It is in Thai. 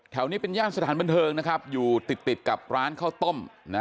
แถวนี้เป็นย่านสถานบันเทิงนะครับอยู่ติดติดกับร้านข้าวต้มนะ